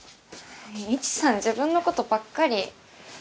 イチさん自分のことばっかり。